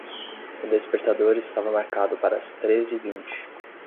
O despertador estava marcado para as três e vinte.